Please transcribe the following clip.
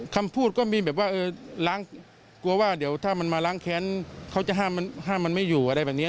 คำพูดก็มีแบบว่าเออล้างกลัวว่าเดี๋ยวถ้ามันมาล้างแค้นเขาจะห้ามมันไม่อยู่อะไรแบบนี้